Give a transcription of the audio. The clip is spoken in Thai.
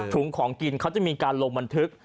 ของกินเขาจะมีการลงบันทึก